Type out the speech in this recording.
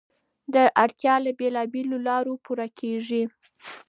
دا اړتیا له بېلابېلو لارو پوره کېږي.